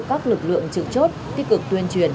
các lực lượng trực chốt kích cực tuyên truyền